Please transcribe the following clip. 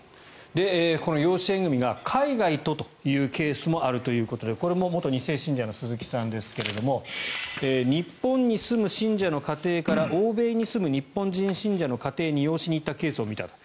この養子縁組が海外とというケースもあるということでこれも元２世信者の鈴木さんですが日本に住む信者の家庭から欧米に住む日本人信者の家庭に養子に行ったケースを見たと。